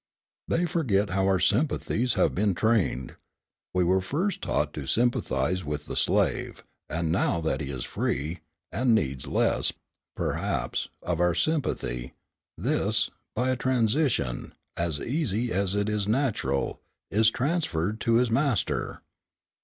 They forget how our sympathies have been trained. We were first taught to sympathize with the slave, and now that he is free, and needs less, perhaps, of our sympathy, this, by a transition, as easy as it is natural, is transferred to his master.